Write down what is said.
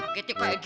sampai ini kepasang